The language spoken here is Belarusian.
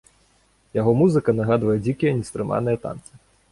Яго музыка нагадвае дзікія, нястрыманыя танцы.